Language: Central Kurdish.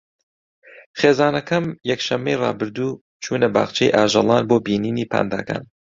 خێزانەکەم یەکشەممەی ڕابردوو چوونە باخچەی ئاژەڵان بۆ بینینی پانداکان.